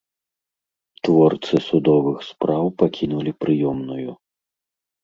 Творцы судовых спраў пакінулі прыёмную.